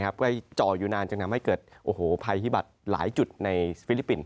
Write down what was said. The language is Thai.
ก็จ่ออยู่นานจึงทำให้เกิดภัยพิบัตรหลายจุดในฟิลิปปินส